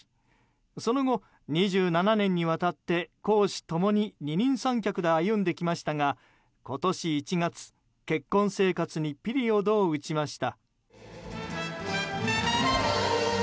その後、２７年にわたって公私ともに二人三脚で歩んできましたが今年１月、結婚生活にピリオドを打ちました。